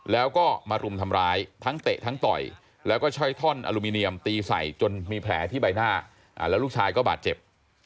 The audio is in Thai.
แล้วก็มารุมทำร้ายทั้งเตะทั้งต่อยแล้วก็ใช้ท่อนอลูมิเนียมตีใส่จนมีแผลที่ใบหน้าแล้วลูกชายก็บาดเจ็บ